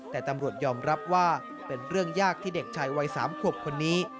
แต่ตำรวจยอมรับว่าเป็นเรื่องยากที่เด็กชายวัย๓ขวบคนนี้